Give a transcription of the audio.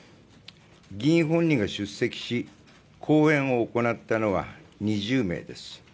議員本人が出席し講演を行ったのは、２０名です。